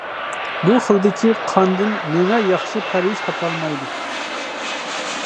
بۇ خىلدىكى قاندىن مېڭە ياخشى پەرۋىش تاپالمايدۇ.